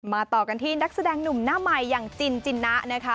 ต่อกันที่นักแสดงหนุ่มหน้าใหม่อย่างจินจินนะนะคะ